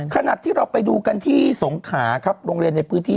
ขณะที่เราไปดูกันที่สงขาครับโรงเรียนในพื้นที่